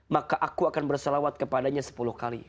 maka aku akan bersalawat kepadanya sepuluh kali